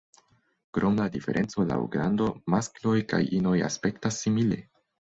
Krom la diferenco laŭ grando, maskloj kaj inoj aspektas simile.